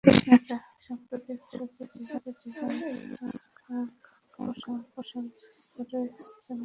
সম্প্রতি একটি ফ্যাশন শোতে ডিজাইনার মানব গঙ্গাওয়ানির পোশাক পরে হেঁটেছেন কঙ্গনা।